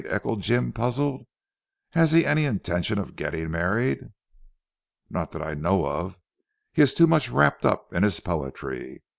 echoed Jim puzzled. "Has he any intention of getting married?" "Not that I know of. He is too much wrapped up in his poetry.